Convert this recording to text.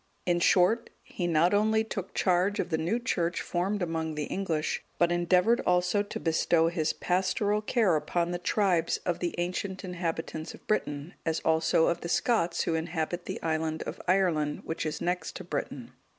In short, he not only took charge of the new Church formed among the English, but endeavoured also to bestow his pastoral care upon the tribes of the ancient inhabitants of Britain, as also of the Scots, who inhabit the island of Ireland,(183) which is next to Britain.